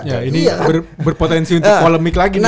ya ini berpotensi untuk polemik lagi nih